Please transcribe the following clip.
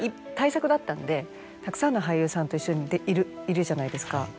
大作だったんでたくさんの俳優さんと一緒いるじゃないですか。